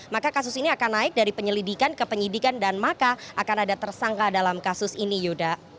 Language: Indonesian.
maka kasus ini akan naik dari penyelidikan ke penyidikan dan maka akan ada tersangka dalam kasus ini yuda